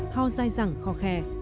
ho dai dẳng khó khè